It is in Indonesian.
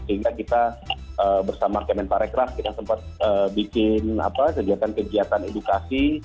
sehingga kita bersama kemenparekras kita sempat bikin kegiatan edukasi